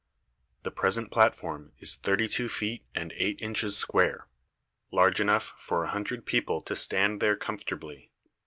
The present platform is thirty o H S THE PYRAMID OF KHUFU 13 two feet and eight inches square, large enough for a hundred people to stand there comfortably.